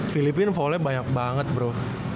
filipina foulnya banyak banget bro